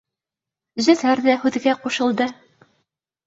Зөфәр ҙә һүҙгә ҡушылды: